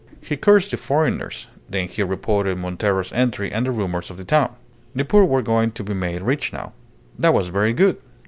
He cursed the foreigners; then he reported Montero's entry and the rumours of the town. The poor were going to be made rich now. That was very good.